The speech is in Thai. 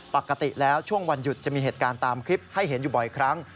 ปกติแล้วช่วงวันหยุดจะมีเหตุการณ์ตามคลิปให้เห็นอยู่บ่อยครั้ง